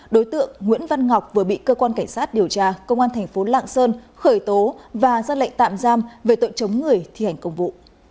đối tượng nguyễn văn ngọc vừa bị cơ quan cảnh sát điều tra công an thành phố lạng sơn khởi tố và ra lệnh tạm giam về tội chống người thi hành công vụ